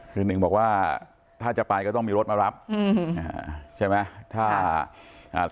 เรื่องหนึ่งบอกว่าถ้าจะไปก็ต้องมีรถมารับใช่ไหม